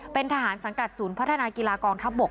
เป็นทหารสังกัดศูนย์พัฒนากีฬากองทัพบก